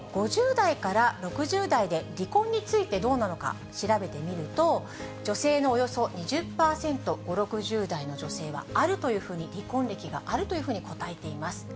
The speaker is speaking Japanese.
５０代から６０代で離婚についてどうなのか調べてみると、女性のおよそ２０％、５、６０代の女性はあるというふうに、離婚歴があるというふうに答えています。